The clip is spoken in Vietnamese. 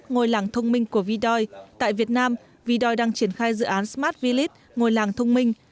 ngôi làng thông minh của vidoi tại việt nam vidoi đang triển khai dự án smart vlip ngồi làng thông minh